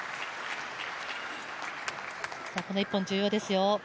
この１本、重要ですよ。